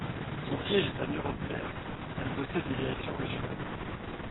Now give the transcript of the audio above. Son siège est à Nuremberg, elle possède des directions régionales.